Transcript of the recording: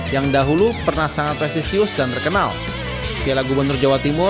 yang diperoleh oleh ketua umum pssi jatim